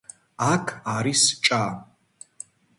აქ არის ჭა.